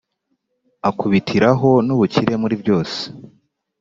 akubitiraho n'ubukire muri byose: